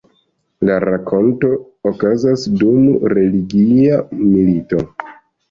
La rakonto okazas dum religia milito.